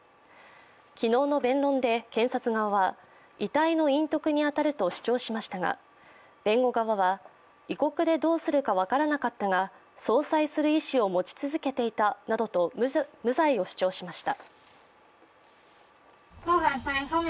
昨日の弁論で検察側は遺体の隠匿に当たると主張しましたが弁護側は、異国でどうするか分からなかったが葬祭する意思を持ち続けていたと無罪を主張しました。